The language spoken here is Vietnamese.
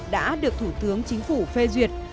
đã được thủ tướng chính phủ phê duyệt